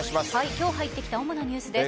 今日入ってきた主なニュースです。